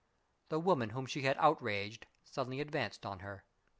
The woman whom she had outraged suddenly advanced on her.